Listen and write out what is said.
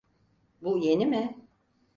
Bu yeni mi?